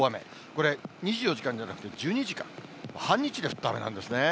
これ、２４時間じゃなくて、１２時間、半日で降った雨なんですね。